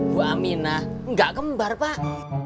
bu amina gak kembar pak